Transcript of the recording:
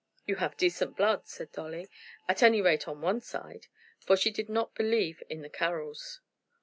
"You have decent blood," said Dolly; "at any rate on one side," for she did not believe in the Carrolls.